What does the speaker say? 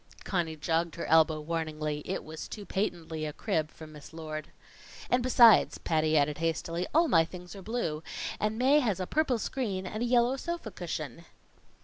Conny jogged her elbow warningly. It was too patently a crib from Miss Lord. "And besides," Patty added hastily, "all my things are blue, and Mae has a purple screen and a yellow sofa cushion."